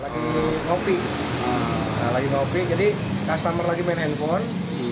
lagi kopi jadi customer lagi main handphone